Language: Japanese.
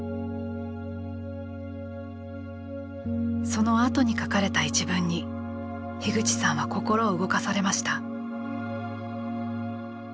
そのあとに書かれた一文に口さんは心を動かされました。